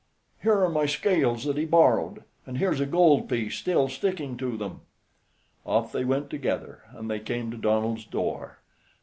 "Here are my scales that he borrowed, and here's a gold piece still sticking to them." Off they went together, and they came to Donald's door.